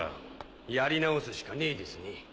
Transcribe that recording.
やり直すしかねえですね。